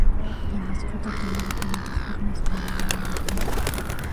La mascota tomó diferentes formas a lo largo del tiempo.